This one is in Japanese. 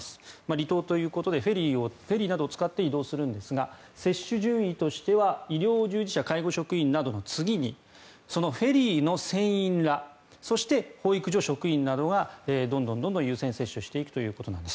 離島ということでフェリーなどを使って移動するんですが接種順位としては医療従事者、介護職員などの次にそのフェリーの船員らそして、保育所職員などがどんどん優先接種していくということなんです。